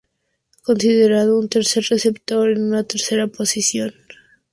Considerando un tercer receptor en una tercera posición.